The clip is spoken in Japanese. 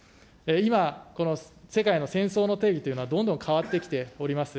今、この世界の戦争の定義というのは、どんどん変わってきております。